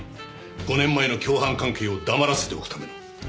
５年前の共犯関係を黙らせておくための。